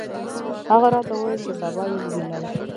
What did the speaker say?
هغه راته وویل چې سبا یې ووینم.